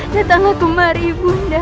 datanglah kemari ibu ratu